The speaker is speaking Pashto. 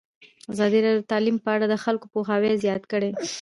ازادي راډیو د تعلیم په اړه د خلکو پوهاوی زیات کړی.